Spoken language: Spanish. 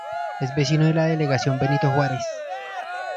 Es vecino de la Delegación Benito Juárez.